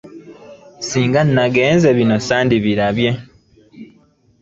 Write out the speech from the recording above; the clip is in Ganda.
Singa nagenze bino sandibirabye.